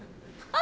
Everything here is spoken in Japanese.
あ！